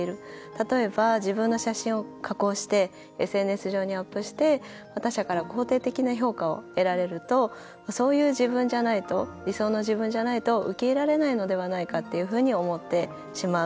例えば、自分の写真を加工してＳＮＳ上にアップして、他者から肯定的な評価を得られるとそういう自分じゃないと理想の自分じゃないと受け入れられないのではないかと思ってしまう。